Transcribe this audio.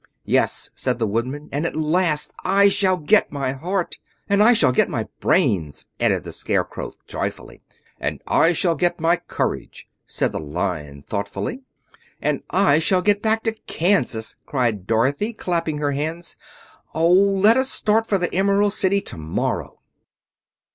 "Yes," said the Woodman, "at last I shall get my heart." "And I shall get my brains," added the Scarecrow joyfully. "And I shall get my courage," said the Lion thoughtfully. "And I shall get back to Kansas," cried Dorothy, clapping her hands. "Oh, let us start for the Emerald City tomorrow!"